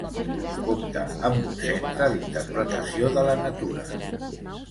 Compta amb un Centre d'Interpretació de la Natura.